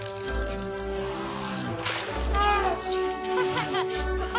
ハハハハ！